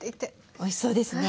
おいしそうですね。